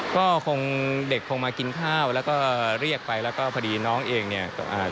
ก็คงเด็กคงมากินข้าวแล้วก็เรียกไปแล้วก็พอดีน้องเองเนี่ยอ่า